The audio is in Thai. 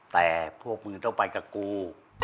แต่พวกมึงต้องไปกับกู